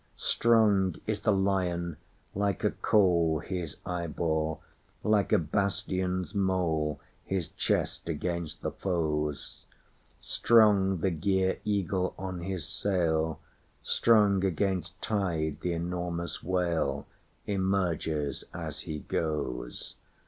Strong is the lion—like a coalHis eyeball—like a bastion's moleHis chest against the foes:Strong the gier eagle on his sail, Strong against tide the enormous whaleEmerges as he goes.